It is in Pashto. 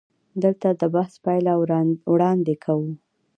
دلته د بحث پایله وړاندې کوو.